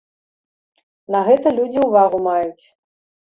На гэта людзі ўвагу маюць.